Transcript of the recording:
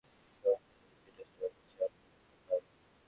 দিন শেষে ক্রিকেট কীভাবে আরও সমৃদ্ধ হবে সেটাই সবার কাছে অগ্রাধিকার পায়।